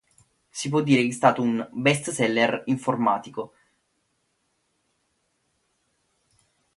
Si può dire che è stato un "best seller" "informatico" antenato di Adobe Flash.